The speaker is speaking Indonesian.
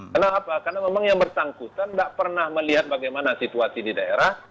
kenapa karena memang yang bersangkutan tidak pernah melihat bagaimana situasi di daerah